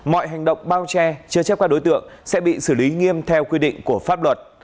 mọi hành động bao che chế chấp các đối tượng sẽ bị xử lý nghiêm theo quy định của pháp luật